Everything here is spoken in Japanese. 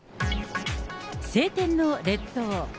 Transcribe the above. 晴天の列島。